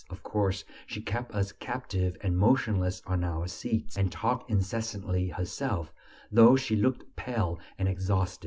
Of course, she kept us captive and motionless on our seats, and talked incessantly herself, though she looked pale and exhausted.